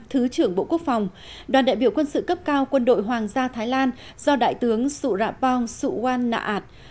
thứ trưởng bộ quốc phòng đoàn đại biểu quân sự cấp cao quân đội hoàng gia thái lan do đại tướng su ra pong su wan naat